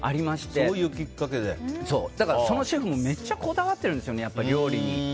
だから、そのシェフもめっちゃこだわってるんですよね、料理に。